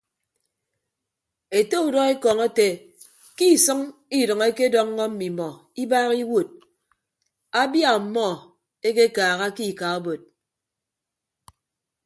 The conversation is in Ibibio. Ete udọekọñ ete ke isʌñ idʌñ ekedọññọ mmimọ ibaaha iwuod abia ọmmọ ekekaaha ke ika obod.